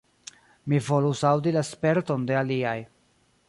Mi volus aŭdi la sperton de aliaj.